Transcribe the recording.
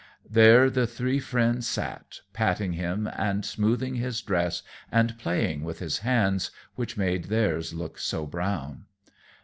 There the three friends sat, patting him, and smoothing his dress, and playing with his hands, which made theirs look so brown.